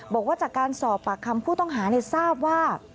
บอกว่าจากการสอบปากคำผู้ต้องหาทราบว่า